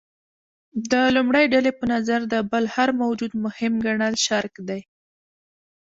د لومړۍ ډلې په نظر د بل هر موجود مهم ګڼل شرک دی.